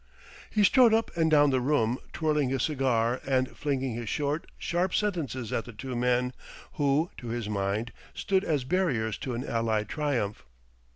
He strode up and down the room, twirling his cigar, and flinging his short, sharp sentences at the two men, who, to his mind, stood as barriers to an Allied triumph.